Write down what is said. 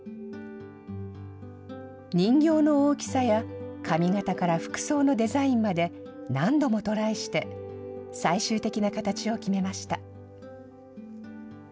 人形の大きさや髪形から服装のデザインまで何度もトライして、最終的な形を決めました。